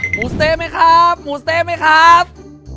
หมูเต๊ะไหมครับหมูเต๊ะไหมครับ